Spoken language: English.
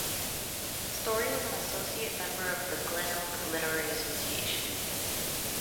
Storrie was an associate member of the Glenelg Literary Association.